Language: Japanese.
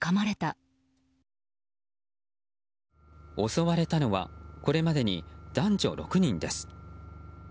襲われたのはこれまでに男女６人です。